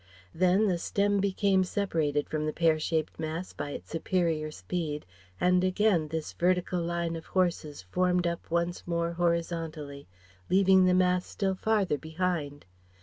Then the stem became separated from the pear shaped mass by its superior speed, and again this vertical line of horses formed up once more horizontally, leaving the mass still farther behind.